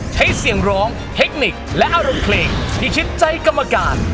ใช้เสียงร้องเทคนิคและอรุณคลิกดีชิดใจกำมันการ